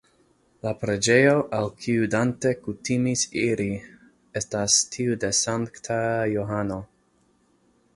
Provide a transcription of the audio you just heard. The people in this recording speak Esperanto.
La preĝejo, al kiu Dante kutimis iri, estas tiu de Sankta Johano.